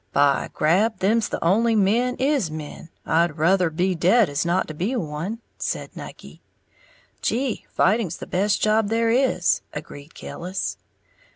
"By grab, them's the only men is men, I'd ruther be dead as not to be one," said Nucky. "Gee, fighting's the best job there is," agreed Killis.